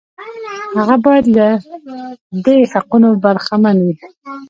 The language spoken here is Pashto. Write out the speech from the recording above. هغه باید له دې حقوقو برخمن وي.